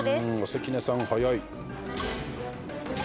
関根さん、早い。